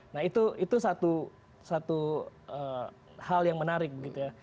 nah itu satu hal yang menarik begitu ya